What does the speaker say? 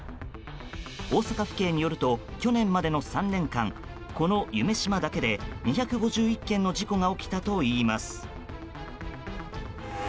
大阪府警によると去年までの３年間この夢洲だけで、２５１件の事故が起きたといいます。